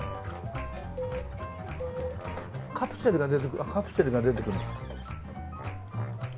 カプセルが出てくるあっカプセルが出てくるんだ。